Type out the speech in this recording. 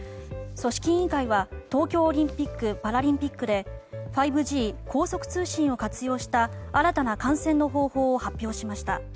組織委員会は東京オリンピック・パラリンピックで５Ｇ・高速通信を活用した新たな観戦の方法を発表しました。